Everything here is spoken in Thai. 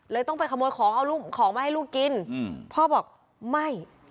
ต้องไปขโมยของเอาลูกของมาให้ลูกกินพ่อบอกไม่